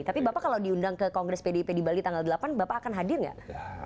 tapi bapak kalau diundang ke kongres pdip di bali tanggal delapan bapak akan hadir nggak